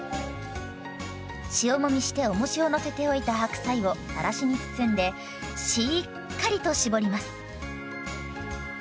塩もみしておもしをのせておいた白菜をさらしに包んでしっかりと搾ります。